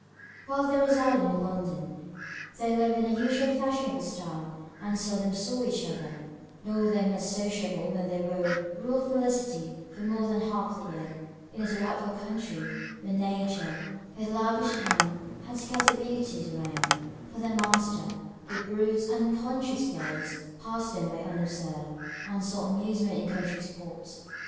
While they resided in London, they lived in the usual fashionable style, and seldom saw each other; nor were they much more sociable when they wooed rural felicity for more than half the year, in a delightful country, where Nature, with lavish hand, had scattered beauties around; for the master, with brute, unconscious gaze, passed them by unobserved, and sought amusement in country sports.